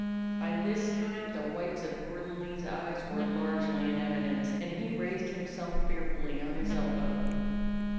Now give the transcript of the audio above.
By this time the whites of Gordon Lee's eyes were largely in evidence, and he raised himself fearfully on his elbow.